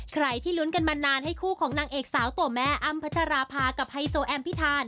ใครที่ลุ้นกันมานานให้คู่ของนางเอกสาวตัวแม่อ้ำพัชราภากับไฮโซแอมพิธาน